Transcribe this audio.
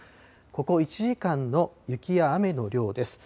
ここ１時間の雪や雨の量です。